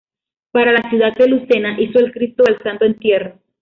Para la ciudad de Lucena hizo el "Cristo del Santo Entierro".